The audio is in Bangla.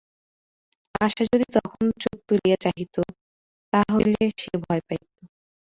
আশা যদি তখন চোখ তুলিয়া চাহিত, তাহা হইলে সে ভয় পাইত।